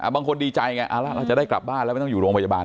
บางคนดีใจกลับบ้านแล้วก็อยู่โรงพยาบาล